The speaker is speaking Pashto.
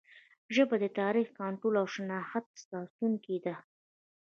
ژبه د تاریخ، کلتور او شناخت ساتونکې ده.